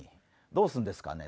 どうするんですかね